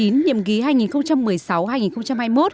nhiệm ký hai nghìn một mươi sáu hai nghìn hai mươi một